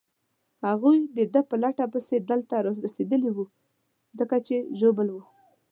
هغوی د ده په لټه پسې دلته رارسېدلي وو، ځکه چې ژوبل وو.